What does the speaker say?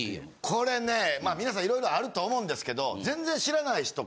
これね皆さん色々あると思うんですけど。